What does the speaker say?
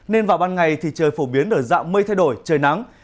nên vào ban ngày thì trời phổ biến ở dạng mây thay đổi trời nắng